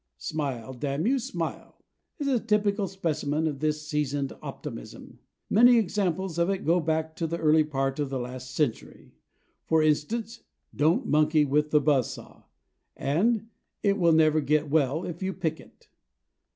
"Smile, damn you, smile!" is a typical specimen of this seasoned optimism. Many examples of it go back to the early part of the last century, for instance, "Don't monkey with the buzz saw" and "It will never get well if you pick it."